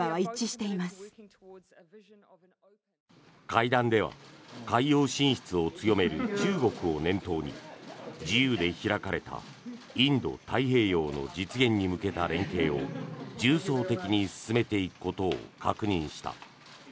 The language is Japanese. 会談では海洋進出を強める中国を念頭に自由で開かれたインド太平洋の実現に向けた連携を重層的に進めていくことを確認した。